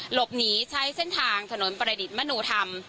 หลบหนีใช้เส้นทางถนนประดิษฐ์มนุธรรม